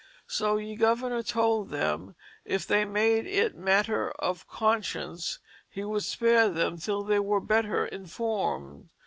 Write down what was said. So ye Gov^r tould them that if they made it mater of conscience, he would spare them till they were better informed.